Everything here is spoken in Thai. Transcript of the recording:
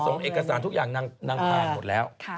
แต่เอกสารทุกอย่างนั่งทางหมดแล้ว